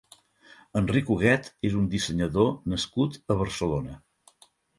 Enric Huguet és un dissenyador nascut a Barcelona.